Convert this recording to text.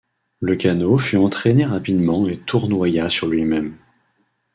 Le canot fut entraîné rapidement et tournoya sur lui-même...